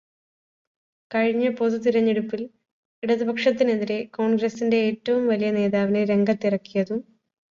കഴിഞ്ഞ പൊതു തെരഞ്ഞെടുപ്പില് ഇടതുപക്ഷത്തിനെതിരെ കോണ്ഗ്രസിന്റെ ഏറ്റവും വലിയ നേതാവിനെ രംഗത്തിറക്കിയതും